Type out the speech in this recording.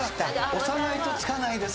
押さないとつかないですからね。